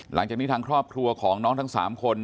หลังจากนี้ทางครอบครัวของน้องทั้ง๓คน